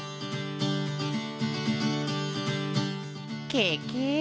ケケ！